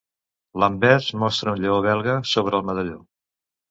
L'anvers mostra un Lleó belga sobre el medalló.